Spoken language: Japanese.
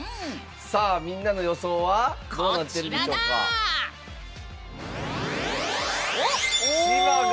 みんなの予想はどうなってるんでしょうか？